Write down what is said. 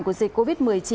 của dịch covid một mươi chín